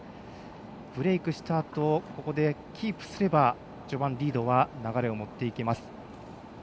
ブレークしたあとここで、キープすれば序盤、リードは流れを持っていけます。